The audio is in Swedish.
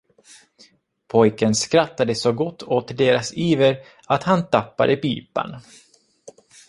Pojken skrattade så gott åt deras iver, att han tappade pipan.